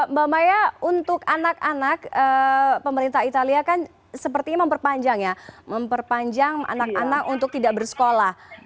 mbak maya untuk anak anak pemerintah italia kan sepertinya memperpanjang ya memperpanjang anak anak untuk tidak bersekolah